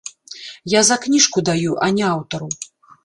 Я за кніжку даю, а не аўтару.